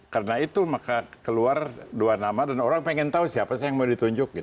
karena itu maka keluar dua nama dan orang pengen tahu siapa sih yang mau ditunjuk gitu